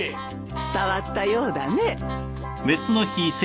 伝わったようだね。